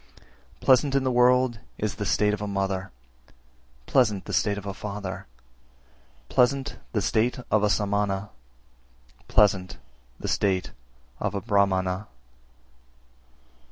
332. Pleasant in the world is the state of a mother, pleasant the state of a father, pleasant the state of a Samana, pleasant the state of a Brahmana.